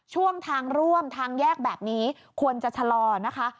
ช่วงทางร่วมทางแยกแบบนี้ควรจะชะลอนะคะ